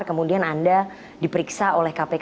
kemudian anda diperiksa oleh kpk